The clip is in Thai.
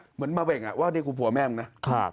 เหมือนมาเบ่งว่านี่คือผัวแม่มึงนะ